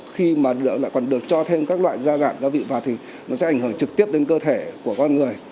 khi mà lượng lại còn được cho thêm các loại gia gạn gia vị vào thì nó sẽ ảnh hưởng trực tiếp đến cơ thể của con người